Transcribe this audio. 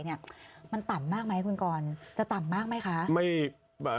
เนี่ยมันต่ำมากไหมคุณกรจะต่ำมากไหมคะ